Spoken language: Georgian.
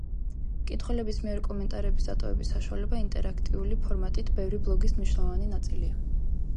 მკითხველების მიერ კომენტარების დატოვების საშუალება ინტერაქტიული ფორმატით ბევრი ბლოგის მნიშვნელოვანი ნაწილია.